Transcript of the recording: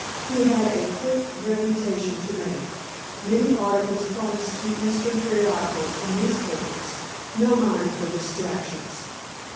He had a quick reputation to make, many articles promised to Eastern periodicals and newspapers, no mind for distractions.